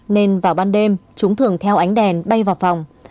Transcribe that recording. nên vào ban đêm chúng thường theo ánh đèn bay vào phòng